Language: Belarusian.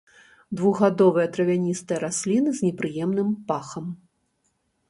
Двухгадовыя травяністыя расліны з непрыемным пахам.